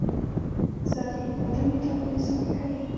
زردآلو د بدن میتابولیزم ښه کوي.